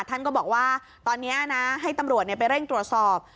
ท่านก็บอกว่าตอนนี้นะให้ตำรวจไปเร่งตรวจสอบ